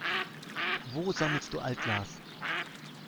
Wo sammelst du Altglas?